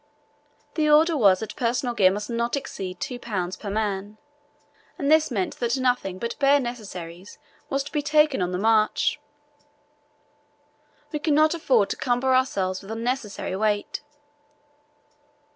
The order was that personal gear must not exceed two pounds per man, and this meant that nothing but bare necessaries was to be taken on the march. We could not afford to cumber ourselves with unnecessary weight.